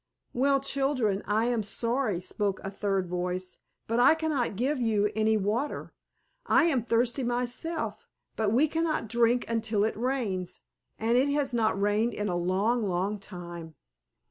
"Well, children, I am sorry," spoke a third voice, "but I cannot give you any water. I am thirsty myself, but we cannot drink until it rains, and it has not rained in a long, long time."